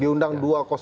di undang dua ratus satu